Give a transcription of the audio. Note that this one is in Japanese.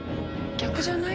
逆じゃない？